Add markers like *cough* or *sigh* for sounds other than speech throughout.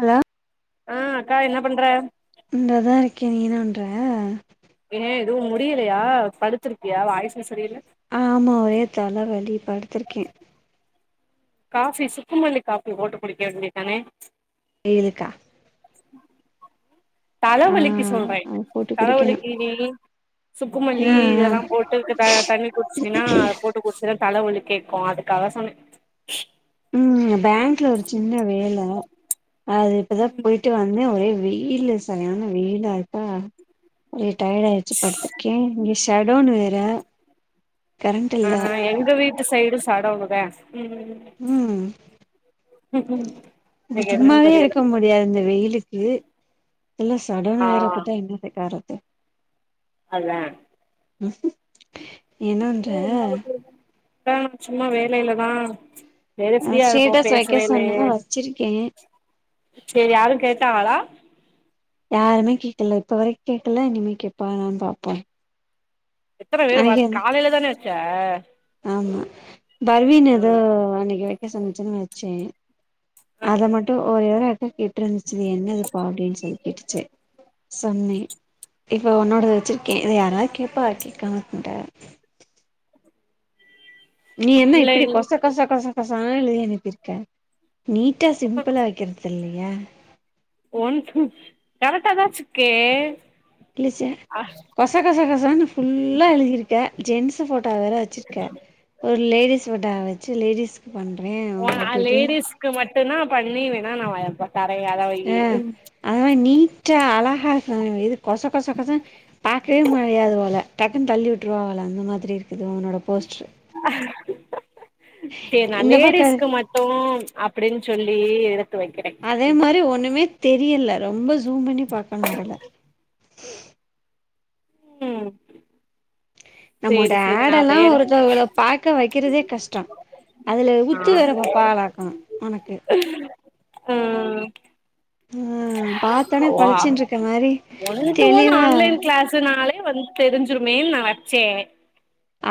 Hello ஆ அக்கா என்ன பண்ற இந்ததா இருக்கே நீ என்ன பண்ற ஏ எதுவு முடியிலையா படுத்திருக்கியா வாய்ஸ்ஸே சரியில்ல ஆமா ஒரே தலவலி படுத்திருக்கே காஃபி சுக்குமல்லி காப்பி போட்டு குடிக்க வேண்டிதானே வெய்யிலுக்கா தல ஆ வலிக்கு சொல்றே ஆ போட்டு தல குடிக்கணு வலிக்குடி சுக்குமல்லி ஆ ஆ இதெல்லா போட்டு போட்டுக்கு தண்ணி குடிச்சுன்னா அத போட்டு குடிச்சா தலவலி கேட்கும் அதுக்காக சொன்ன ம் பேங்க்ல ஒரு சின்ன வேல அது இப்பதா போயிட்டு வந்தே ஒரே வெயிலு சரியான வெயில் அய்ட்டா ஒரே டயர்ட் ஆய வச்சு படுத்திருக்கே இங்கே ஷடவுன் வேற கரண்ட் ஆ இல்ல எங்க வீட்டு சைடும் சடவுனுதா உம் உம் இன்னைக்கு என்னன்னு சும்மாவே தெரியல இருக்க முடியாது இந்த வெயிலுக்கு இதுல்ல சடனு ஆ வேறப்போட்டா என்னத்துக்காகுறது அதா *inaudible* நீ என்ன பண்ற அ சும்மா வேலைலதா வேற நா ஃப்ரீயா இருப்போம் ஸ்டேட்டஸ் பேசவவே வைக்க இல்லையே சொன்ன வச்சிருக்கே சரி யாரும் கேட்டாகளா யாருமே கேக்கல இப்ப வர கேக்கல இனிமே கேப்பானான்னு பாப்போ எத்தன அன்னைக்கு பேர் வந்து காலைல தானே வச்ச ஆமா பர்வீனு ஏதோ ஆ அன்னைக்கு வைக்க சென்னச்சன்னு வச்சே அத மட்டும் ஒரு ர ஆட்டா கெட்டு இருந்துச்சு என்ன இதுப்பா அப்டின்னு சொல்லி கேட்டுச்சு சொன்னே இப்ப உன்னோடத வச்சிருக்கே இத யாராவது கேட்பாக கேக்காமருக்க மாட்டாக நீ என்ன இப்டி ஆன்லைன் கொச கொச கொச கொசனா எழுதி அனுப்பிருக்க நீட்டா சிம்பிளா வைக்கிறது தில்லயா ஒன் டூ கரெக்ட் தா வசுக்கேன் கிழிச்ச கச கச கச புல்லா எழுதியிருக்கே ஜென்ஸ் போட் ட வேற வச்சிருக்கே ஒரு லேடிஸ் போட்டா வச்சு லேடிஸ்க்கு பண்றே ஒ அப்டி இப்டின்னு லேடிஸ்க்கு மட்டும் தா பண்ணி வேணா நா கரையாது ஆ அத நீட்டா அழகா இது கொச கொச கொச பாக்கவே முடியாதுபோல டக்குன்னு தள்ளி விட்ருவாங்கல அந்த மாதிரி இருக்குது உன்னோட போஸ்ட்ரு ஏ இந்த பக்க லேடீஸ்க் மட் டூ அப்படின்னு சொல்லி எடுத்து வைக்கிறே அதே மாரி ஒன்னுமே தெரியல ரொம்ப ஷூம் பண்ணி பாக்கணும் போல ம் நம்மொட சேரி சேரி நா அட்ல்லா வேற ஒருத்தவங்கல பாக்க வைக்கிறதே கஷ்டம் அதில ஆ உத்து வேற பாப்பாங்களாக்கு உனக்கு *inaudible* ம் ம் ஓ ஒன் டூ ஒன் தெளிவா ஆன்லைன் கிளாஸ்னாலே வந் தெரிஞ்சுருமே நா வச்சே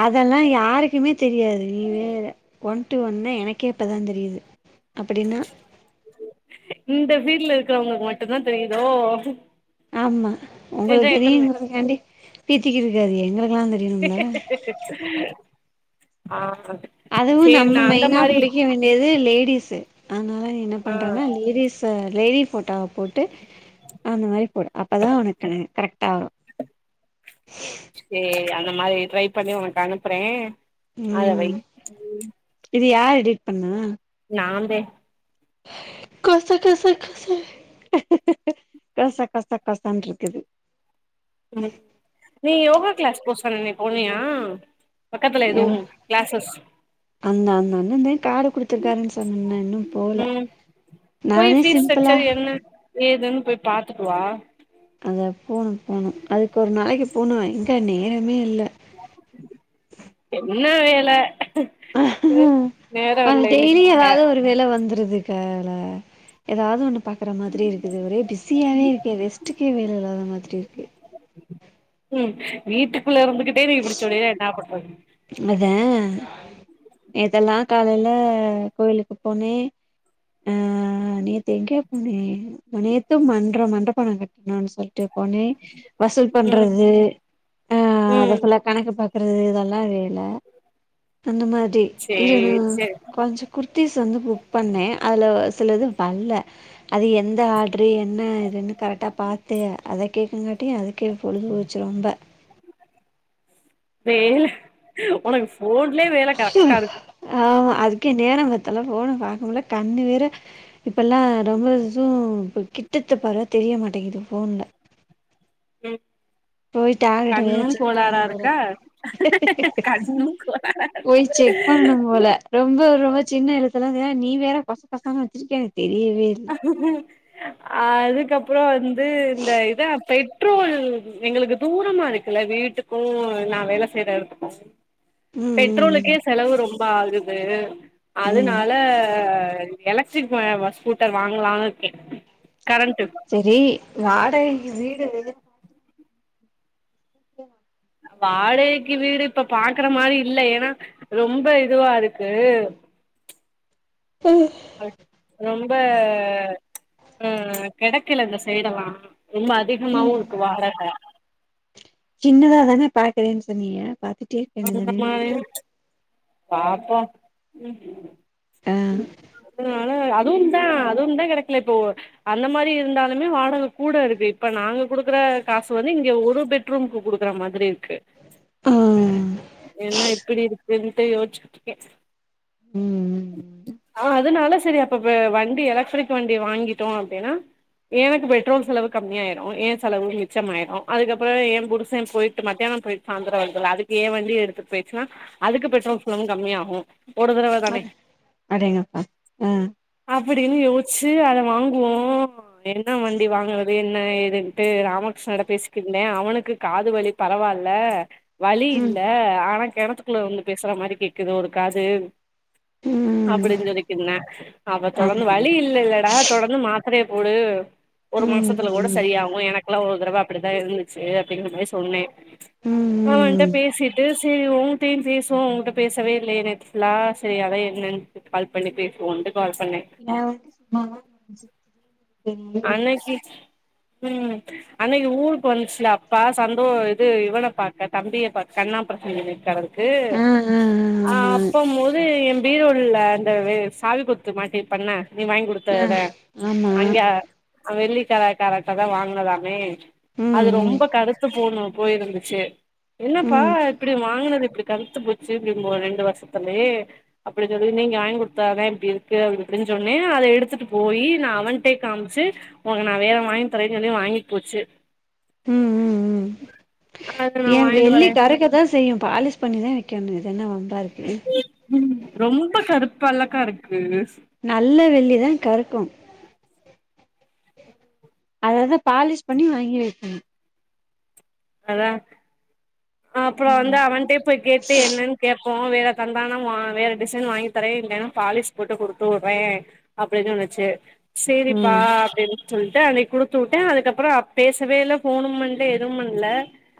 அதெல்லா யாருக்குமே தெரியாது நீவேர ஒன் ட்டு ஒன்னே எனக்கே இப்பதா தெரியிது அப்படின்னா இந்த வீட்ல இருக்கிறவங்களுக்கு மட்டுதான் தெரியிதோ ஆமா உங்களுக்கு தெரியும்ங்கிறதுக்காண்டி பீத்திக்கிட்டு இருக்காதீய எங்களுக்கெல்லா தெரியணும்ல ஆ அதுவு சேரி நா நம்ம அந்த மெயினா மாரி புடிக்க வேண்டியது லேடிஸு அதுனால நீ என்ன ஆ பண்றனா லேடிஸ் இப்ப லேடி ஃபோட்டாவ போட்டு அந்த மாரி போடு அப்பதா உனக்கு கலர் கரெக்டா வரும் *inaudible* சேரி அந்த மாரி ட்ரை பண்ணி உனக்கு அனுப்புறேன் அத வை ம் இது யாரு எடிட் பண்ணா நான்தே கொச கச கச கச கச கசான் இருக்குது ம் நீ யோகா கிளாஸ் போ சொன்னனே போனியா பக்கத்துல எவ ஏதுவு கிளாசஸ் அந்த அந்த அண்ணந்தே காரு புடுச் த்துக் காருன்னு சொன்னனே இன்னும் போல ம் போய் நானே ஃபீஸ் சிம்பிளா ஸ்ட்ரக்சர் என்ன ஏதுன்னு போய் பாத்துட்டுவா அத போணும் போணும் அதுக்கு ஒரு நாளைக்கு போனும் எங்க நேரமே இல்ல என்னா வேல நேரோ ஆ இல்லன்னு டெய்லி இருக்க ஏதாவது ஒரு வேல வந்துருது கா அதுல ஏதாவது ஒன்னு பாக்குற மாதிரி இருக்குது ஒரே பிஸியாவே இருக்குது ரெஸ்ட்டுக்கே வேல இல்லாத மாதிரி இருக்கு ம் வீட்டுக்குள்ள இருந்துகிட்டே நீ இப்பிடிச் சொன்னின்னா என்னா பண்றது அதே நேத்தெல்லா காலையில கோயிலுக்கு போனே ஆ நேத்து எங்கே போனே நேத்து மன்றோ மண்றோ பனோ கட்னு சொல் ட்டு போனே வசூல் ம் பண்றது ஆ அத ம் ஃபுல்லா கணக்கு பாக்குறது இதெல்லா வேல அந்த மாரி இம் சேரி சேரி கொஞ்சம் குர்த்திஸ் வந்து புக் பண்ணே அதுல சிலது வர்ல அது எந்த ஆட்ரு என்ன இதுன்னு கரெக்டா பாத்து அத கேக்குங்காட்டியு கே பொழுது போச்சு ரொம்ப வேல ஒனக் போன்லயே வேல கரெக்டா இருக்கு ஆமா அதுக்கே நேர பத்தல போன பாக்க முல்ல கண்ணு வேற இப்பெல்லா ரொம்ப ஜூம் இப்போ கிட்டது பார்வ தெரிய மாட்டேங்குது ஃபோன்ல ம் போய் டார்கெட்ட வேற கண்ணு செக் கோளாரா பண்ணும் இருக்கா போது கண்ணு கோளார போய் செக் பண்ணனு போல ரொம்ப ரொம்ப சின்ன எழுத்தலா தெரிய நீ வேற கொச கொசனு வச்சிருக்கே எனக்கு தெரியவே இல் அதுக்கப்புறோ வந்து இந்த இதா பெட்ரோல் எங்களுக்கு தூரமா இருக்குல்ல வீட் டுக்கு நா வேல செய்ற எடத்துக்கு ம் ம் ம் பெட்ரோலுக்கே செலவு ரொம்ப ஆகுது ம் அதுனால எலக்ட்ரிக் பஸ் ஸ்கூட்டர் வாங்குலான் இருக்கே கரண்ட்டு சேரி வாடகைக்கு வீடு வாடகைக்கு வீடு இப்ப பாக்ற மாரி இல்ல ஏன்னா ரொம்ப இதுவா இருக்கு ஹ ரொம்ப ஆ கெடக்குல இந்த சைடல்லா ரொம்ப அதிகமாவு ம் இருக்கு வாடக சின்னதா தானே பாக்றேனு சொன்னீக பாத்துட் *inaudible* பாப்போ ஆ அதனால அதுவுந்தா அதுவுந்தா கெடைக்கல இப்போ அந்த மாரி இருந்தாலுமே வாடக கூட இருக்கு இப்ப நாங்க குடுக்குற காசு வந்து இங்க ஒரு பெட் ரூமுக்கு குடுக்குற மாதிரி இருக் ஆ என்ன எப்டி இருக்குன்ட்டு யோச்சுட்றுக்கே ம் ஆ அதுனால சரி அப்ப வே வண்டி எலக்ட்ரிக் வண்டி வாங்கிட்டோ அப்டினா எனக்கு பெட்ரோல் செலவு கம்மியாயிறு ஏ செலவு மிச்சமாயிறு அதுக்கப்புறோ எ புருஷே போயிட்டு மத்தியான போயிட் சாந்தற ஆயிடுதுல்ல அதுக்கு ஏ வண்டிய எடுத்துட் போயிருச்சுன்னா அதுக்கு பெட் பெட்ரோல் செலவும் கம்மியாகு ஒரு தடவ தானே அடேங்கப்பா ஆ அப்டின்னு யோச்சு அத வாங்குவோ என்ன வண்டி வாங்றது என்ன ஏதுன்ட்டு ராமகிருஷ்ணாட்ட பேசிக்கிருந்தே அவனுக்கு காது வலி பரவால்ல வலி ம் இல்ல ஆனா கெணத்துக்குள்ள இருந்து பேசுற மாரி கேக்குது ஒரு காது ம் அப்டின் சொல்லிக்கின் இருந்தா அவ தொடந்து ஆமா வலி இல்ல இல்லடா தொடர்ந்து மாத்திரைய போடு ஒரு ம் மாசத்துல ம் கூட சரியாகு அம்மு எனக்குல்லா ஒரு தடவ அப்டிதா இருந்துச்சு அப்டிங்ற மாரி சொன்னே ம் அவன்ட ம் பேசிட்டு சேரி ஓன்டையு பேஸ் சோ ஓங்கிட்ட பேசவே இல்லயே நேத்து ஃபுல்லா சரி அதா என்னன் கால் பண்ணி பேசுவோன்டு கால் பண்ணே *inaudible* இருக்கேன். அன்னக்கி ம் அன்னக்கி ஊருக்கு வந்துச்சுல அப்பா சந்தோ இது இவன பாக்க தம்பிய பாக்க கண் ஆப்ரேஷன் பண்ணிருக்காரு அவரு க்கு ஆ ஆ ஆ ஆமா அப்பம் போது பீரோல்ல அந்த சாவி கொத்து மாட்டிருப்பேண்ண நீ வாங்கி குடுத்த ஆ இத ஆமா அங்கே வெள்ளிக்கடக்காரர்ட தா வாங்கினதாமே ம் அது ம் ரொம்ப கருத்து போணு போயிருந்துச்சு என்னப்பா ம் இப்டி வாங்குனது இப்டி கருத்து போச்சு இப்டி ரெண்டு வருஷத்துலயே அப்டின் சொல்லி நீங்க வாங்கி குடுத்தாதே இப்டி இருக்கு அப்டி இப்டின்னு சொன்னே அத எடுத்துட்டு போயி நா அவன்டே காம் ச்சு உனக்கு நா வேற வாங்கி தாரேன்னு சொல்லி வாங்கிட்போச்சு ம் ம் ம் *inaudible* அது நா ஏ வாங்கிட்டு வெள்ளி வரே கருக்கதான் செய்யும் பாலிஸ் பண்ணிதா வைக்கணு இதென்ன வம்பா இருக்கு ம் ரொம்ப கருப்பால்லக்கா இருக்கு நல்ல வெள்ளிதா கருக்கும் அதவந்து பாலிஷ் பண்ணி வாங்கி வைக்கனு அதா அப்புறோ வந்து ம் அவன்ட்டே போய் கேட்டு என்னன் கேப்போ வேற தந்தானா வேற டிசைன் வாங்கி தரே இல்லன்னா பாலிஷ் போட்டு குடுத்துவுறே அப்டின் சொல்லுச்சு சரிப்பா ம் அப்படின் சொல்லிட்டு அன்னைக்கு குடுத்து விட்டே அதுக்கப்புற பேசவே இல்ல போனும் பண்ல எதுவு பண் ல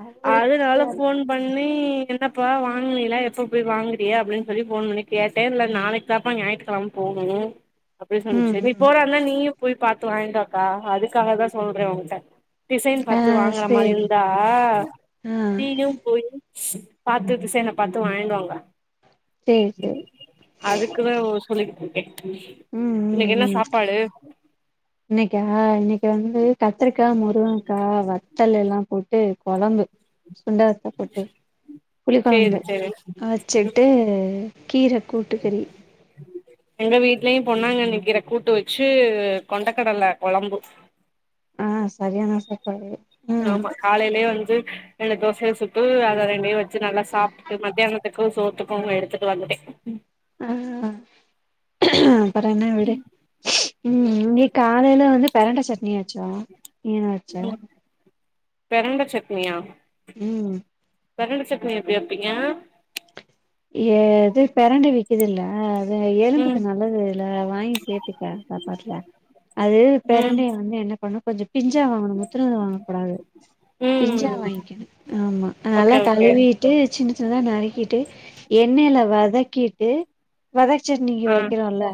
அதுவே அதுனால பிஸியா இருக்கு ஃபோன் பண்ணி என்னப்பா வாங்குனீலா எப்ப போய் வாங்குறியா அப்டின்னு சொல்லி ஃபோன் பண்ணி கேட்டே இல்ல நாளைக் சப்பா ஞாயித்துக்கெழம போகுணு அப்படி ம் சொன்ச்சு நீ ம் போற இருந்தா நீயு போய் பாத்து வாயின்ட்டுவாக்கா அதுக்காக தா சொல்றே உங்கிட்ட டிசைன் ஆ பாத்து வாங்கற மாரின் சேரி ஆ ஆ நீயு போயி பாத்து திசையன பாத்து வாயின்டுவாங்க சேரி சேரி அதுக்குதா ஒ சொல்லிகிட்ருக்க ம் இன்னைக்கு ம் என்ன ம் சாப்பாடு இன்னைக்கா இன்னைக்கு வந்து கத்திரிக்கா முருங்கக்கா வத்தல் எல்லா போட்டு கெழம்பு சுண்ட வத்த போட்டு புளி கொழம்பு சேரி சேரி ம் வச்சுட்டு கீர கூட்டுகறி எங்க வீட்லயு பொன்னாங்கன்னி கீர கூட்டு வச்சு கொண்டக்கடல கொழம்பு ஆ சரியானா சப்பாடு ஆமா காலையிலே வந்து என்ன தோசைய சுட்டு அத ரெண்டையு வச்சு நல்லா சாப்டுட்டு மத்தியானோ விக்கு சோத்துக்கு எடுத்துட்டு வந்துட்டே ஆ அப்பறோ என்ன விடு ம் *unintelligible* காலைல வந்து பெரண்ட சட்னி அச்சோ நீ என்ன ம் பெரண்ட சட்னியா ம் பெரண்ட சட்னி எப்ப எப்பிங்கா ஏ து பெரண்ட விக்குதுல்ல இது ம் எலும்புக்கு நல்லது இல்ல வாங்கி சேத்துக்க சப்பாட்ல அது ம் பிரண்டையூ வந்து என்ன பண்ணு கொஞ்ச பிஞ்சா வாங்கணு முத்துனது வாங்கக்கூடாது பிஞ்சா ம் வாங்கிக்கணு ஆமா அதநல்லா ஓகே ஓகே கழுவீ ட்டு சின்ன சின்னதா நறுக்கீட்டு எண்ணெயில வதக்கீட்டு வதசட்னிக்கு ஆ வெக்கறோல்ல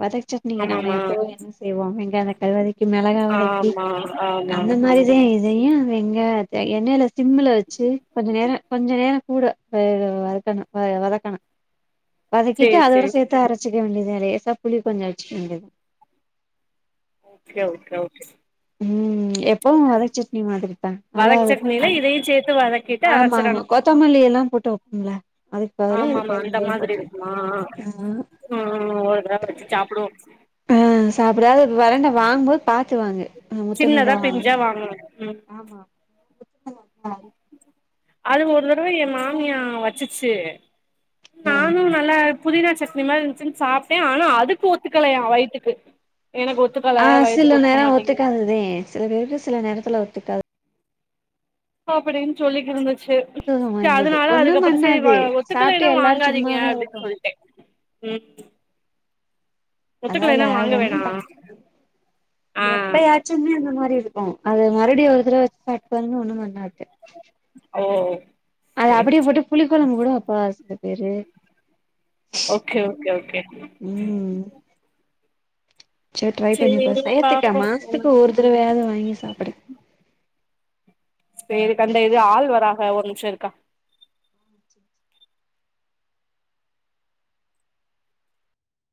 வத சட்னிக்கு நம்ம ஆமாமா எப்பவு என்ன செய்வோ வெங்காய வெட்டது வதக்கி மேளாகா வதக்கி ஆமா ஆமா அந்த மாரிதே இதையு வெங்க எண்ணெயில சிம்முல வச்சு கொஞ்ச நேர கொஞ்ச நேர கூட *unintelligible* வதக்கணு வத வதக்கணு வதக்கீட்டு சேரி அதோட சேரி சேத் து அரச்சிக்க வேண்டிதா லேசா புளி கொஞ்சோ வெச்சுக்க வேண்டியதா ஓகே ஓகே ஓகே ம் எப்பவு வத சட்னி மாதிரி தா நல்லா இரு அ தையு சேத்து வதக்கி ஆமாங் கொத்தமல்லியெல்லா போட்டு வெப்பமுல்ல அதுக் பதுலா அது ஆமாமா பெரண்டையு போட்டு *inaudible* ஆ ஆ ஓதா வச்சு சாப்புடுவோ ஆ சாப்புடு அது பெரண்ட வாங்கும்போது பாத்து வாங்கு முத்தண சின்னதா தா வாங்கிறா *inaudible* ஆமா அது ஒரு தடவ ஏ மாமியா வச்சுச்சு நானு ந ல்ல புதினா சட்னி மாரி இருந்சுன் சாப்ட்ட அனா அதுக்கு ஒத் ஒத்துக்கலயா வயித்துக்கு எனக்கு ஒத்துக்கல வயித்துக்கு ஒத்துக்க மாட்டிகுதுங்க இதே சில பேருக்கு சில நேரத்துல ஒத்துக்காது போப்புடின் சொல்லிக்கு இருந்துச்சு முத்துனது செர் வாய்ந்தது அதனால ஒண்ணு அதுக்கப்பறோ செரி வா பண்ணாது ஒத்துக்கலைன்னா சாப்ட்டு எல்லாரு வாங்காதீங்க சும்மாவே அப்டின் இருப்போ சொல் டே ம் அதால ஒத்துக்கலைன்னா வாங்க ஒன்னு வேணா பண்ண *inaudible* ஆ எப்பயாச் சுமே அந்த மாரி இருக்கு அது மறுபடியு ஒரு தடவ வச்சு சாப்டு பாருங்க ஒன்னு பண்ணாது அவ்வோ அத அப்டியே போட்டு புளி கொழம்பு கூட வெப்பாக சில பேரு ஓகே ஓகே ஓகே ம் சேரி ட்ரை பண்ணி பாரு சேரி சயத்துக்கா பாப்போ மாசத்துக்கு ம் ஒரு தடவையாது வாங்கி சாப்புடு சேரிக்கா இந்த இது ஆள் வராக ஒரு நிம்ஷ இரு